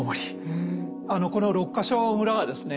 この六ヶ所村はですね